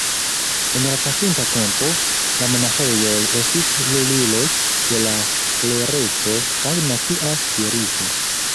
En la pasinta tempo, la monaĥejoj estis luliloj de la klereco kaj nacia spirito.